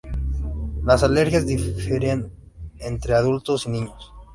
Las alergias difieren entre adultos y niños.